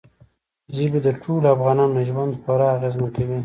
ژبې د ټولو افغانانو ژوند خورا اغېزمن کوي.